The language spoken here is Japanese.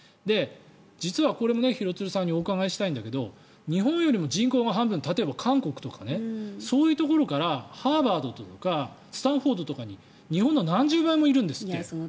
実はこれも廣津留さんにお伺いしたいんだけど日本よりも人口が半分例えば韓国とかそういうところからハーバードとかスタンフォードとか日本の何十倍もいるんですって。